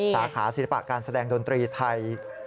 สาขาศิลปะการแสดงดนตรีไทย